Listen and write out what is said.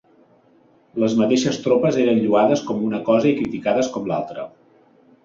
Les mateixes tropes eren lloades com una cosa i criticades com l'altra.